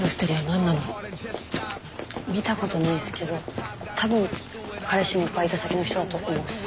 見たことないっすけど多分彼氏のバイト先の人だと思うっす。